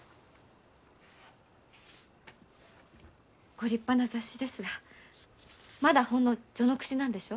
ご立派な雑誌ですがまだほんの序の口なんでしょ？